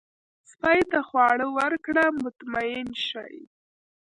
سپي ته خواړه ورکړه، مطمئن شي.